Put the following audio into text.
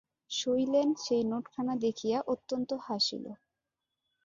শৈলেন সেই নোটখানা দেখিয়া অত্যন্ত হাসিল।